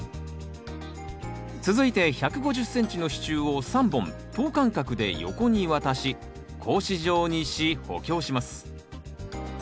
続いて１５０ｃｍの支柱を３本等間隔で横に渡し格子状にし補強します。